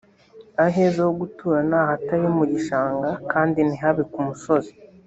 aheza ho gutura ni ahatari mu gishanga kandi ntihabe ku musozi